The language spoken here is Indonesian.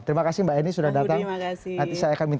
terima kasih mbak eni sudah datang